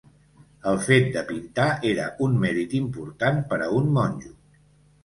El fet de pintar era un mèrit important per a un monjo.